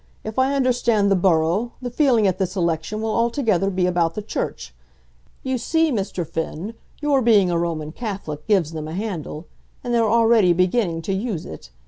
If I understand the borough, the feeling at this election will altogether be about the Church. You see, Mr. Finn, your being a Roman Catholic gives them a handle, and they're already beginning to use it.